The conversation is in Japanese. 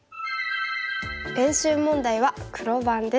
練習問題は黒番です。